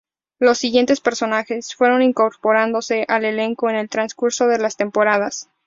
Los siguientes personajes fueron incorporándose al elenco en el transcurso de las temporadas.